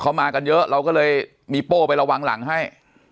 เขามากันเยอะเราก็เลยมีโป้ไประวังหลังให้